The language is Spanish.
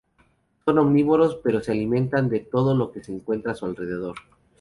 Son omnívoros pero se alimentan de todo lo que encuentran a su alrededor.